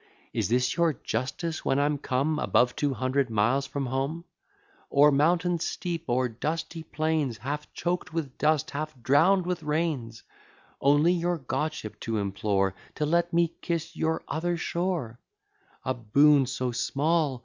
Is this your justice, when I'm come Above two hundred miles from home; O'er mountains steep, o'er dusty plains, Half choked with dust, half drown'd with rains, Only your godship to implore, To let me kiss your other shore? A boon so small!